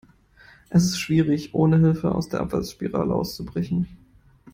Es ist schwierig, ohne Hilfe aus der Abwärtsspirale auszubrechen.